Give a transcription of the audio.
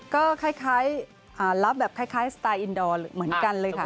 ก็คล้ายรับแบบคล้ายสไตล์อินดอร์เหมือนกันเลยค่ะ